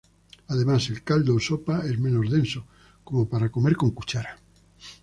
Además, el caldo o sopa es menos denso, como para comer con cuchara.